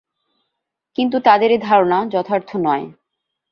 কিন্তু তাদের এ ধারণা যথার্থ নয়।